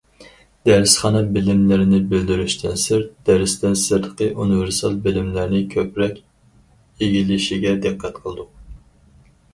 دەرسخانا بىلىملىرىنى بىلدۈرۈشتىن سىرت، دەرستىن سىرتقى ئۇنىۋېرسال بىلىملەرنى كۆپرەك ئىگىلىشىگە دىققەت قىلدۇق.